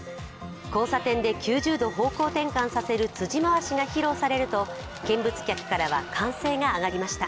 交差点で９０度、方向転換させる辻回しが披露されると見物客からは歓声が上がりました。